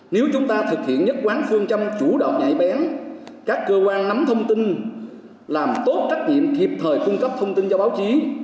nếu chúng ta thực hiện nhất quán phương châm chủ động nhạy bén các cơ quan nắm thông tin làm tốt trách nhiệm kịp thời cung cấp thông tin cho báo chí